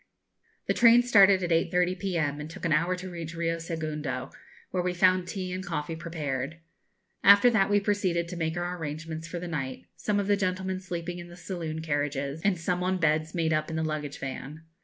The train started at 8.30 p.m. and took an hour to reach Rio Segundo, where we found tea and coffee prepared. After that we proceeded to make our arrangements for the night; some of the gentlemen sleeping in the saloon carriages, and some on beds made up in the luggage van.